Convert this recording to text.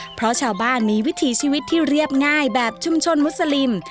เพราะชาวบ้านมีวิถีชีวิตที่เรียบง่ายแบบชุมชนมุสลิม